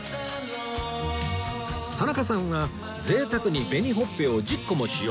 田中さんは贅沢に紅ほっぺを１０個も使用